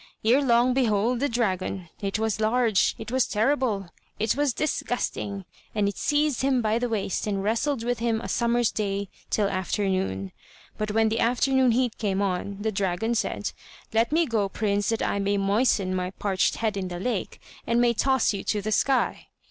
Erelong, behold the dragon! it was large, it was terrible, it was disgusting! And it seized him by the waist and wrestled with him a summer's day till afternoon. But when the afternoon heat came on, the dragon said: "Let me go, prince, that I may moisten my parched head in the lake, and may toss you to the sky."